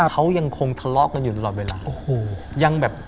เขายังคงทะเลาะกันอยู่ตลอดเวลา